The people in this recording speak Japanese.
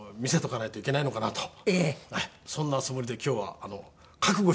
そんなつもりで今日は覚悟して。